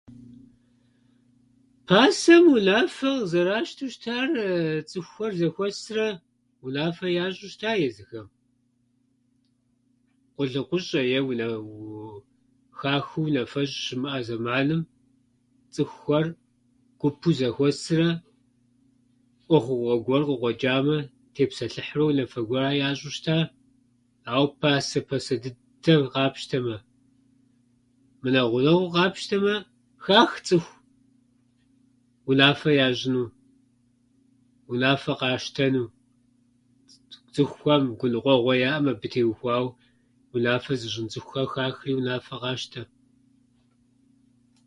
Пасэу унафэ къызэращтэу щытар цӏыхухэр зэхуэсрэ унафэ ящӏу щыта езыхэм. Къулыкъущӏэ е унэуу- хахуэу унэфэщӏ щыщымыӏа зэманым цӏыхухэр гупу зэхуэсрэ ӏуэхугъуэ гуэр къыкъуэчӏамэ, тепсэлъыхьыурэ унафэ гуэрхьэр ящӏу щытащ, ауэ пасэу пасэ дыдэр къапщтэмэ. Нэхъ гъунэгъуу къапщтэмэ, хах цӏыху унафэ ящӏыну, унафэ къащтэну. Цӏыхухьэм гуныкъуэгъуэ яӏэмэ абы теухуауэ, унафэ зыщӏын цӏыхухэр хахэри, унафэ къащтэ.